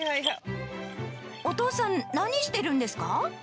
お父さん、何してるんですか？